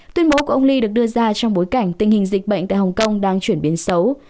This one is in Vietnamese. tuyên bố của ông lee được đưa ra trong bối cảnh tình hình dịch bệnh tại hồng kông đang chuyển biến xấu